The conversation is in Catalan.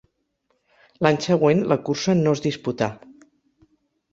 L'any següent la cursa no es disputà.